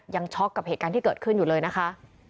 ช็อกกับเหตุการณ์ที่เกิดขึ้นอยู่เลยนะคะ